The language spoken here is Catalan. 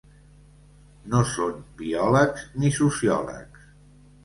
No són biòlegs ni sociòlegs.